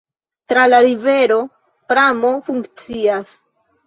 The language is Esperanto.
Tra la rivero pramo funkcias.